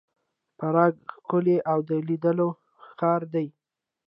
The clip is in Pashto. پراګ ښکلی او د لیدلو ښار دی.